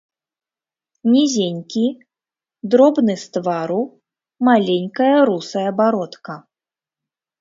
Нізенькі, дробны з твару, маленькая русая бародка.